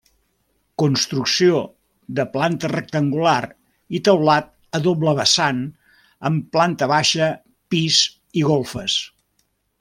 Construcció de planta rectangular i teulat a doble vessant, amb planta baixa, pis i golfes.